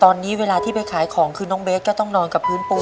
ตอนนี้เวลาที่ไปขายของคือน้องเบสก็ต้องนอนกับพื้นปูน